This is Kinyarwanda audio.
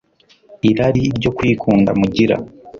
irari ryo kwikunda mugira